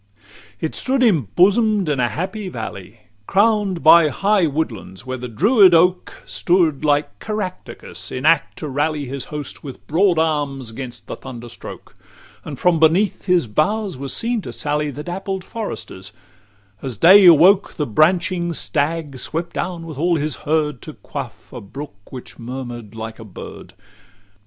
LVI It stood embosom'd in a happy valley, Crown'd by high woodlands, where the Druid oak Stood like Caractacus in act to rally His host, with broad arms 'gainst the thunderstroke; And from beneath his boughs were seen to sally The dappled foresters as day awoke, The branching stag swept down with all his herd, To quaff a brook which murmur'd like a bird.